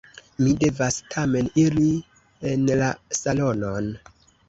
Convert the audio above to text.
Mi devas tamen iri en la salonon.